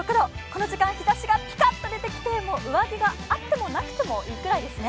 この時間、日ざしがピカッと出てきて上着があってもなくてもいいぐらいですね。